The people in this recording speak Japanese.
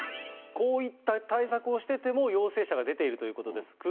こういった対策をしてても、陽性者が出ているということです。